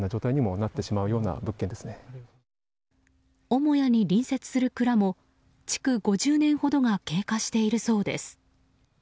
母屋に隣接する蔵も築５０年ほどが経過しているそうです。